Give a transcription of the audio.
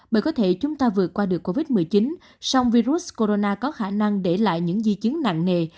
bởi có thể chúng ta vượt qua được covid một mươi chín song virus corona có khả năng để lại những di chứng nặng nề